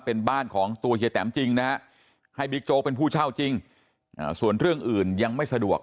เป็นบ้านของตัวเฮียแตมจริงนะฮะให้บิ๊กโจ๊กเป็นผู้เช่าจริงส่วนเรื่องอื่นยังไม่สะดวก